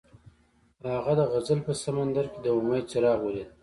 هغه د غزل په سمندر کې د امید څراغ ولید.